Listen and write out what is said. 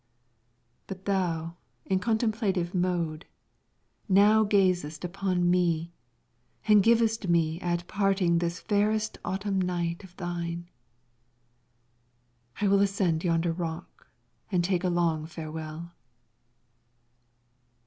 But thou, in contemplative mood, now gazest upon me, and givest me at parting this fairest autumn night of thine. I will ascend yonder rock and take a long farewell.